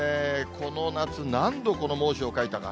この夏、何度この猛暑を書いたか。